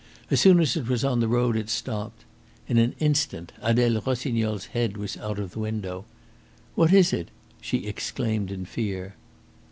As soon as it was on the road it stopped. In an instant Adele Rossignol's head was out of the window. "What is it?" she exclaimed in fear.